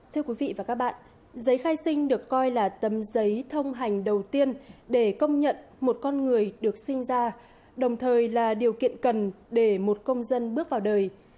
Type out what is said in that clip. thưa quý vị và các bạn giấy khai sinh được coi là tấm giấy thông hành đầu tiên để công nhận một con người được sinh ra đồng thời là điều kiện cần để một công dân bước vào đời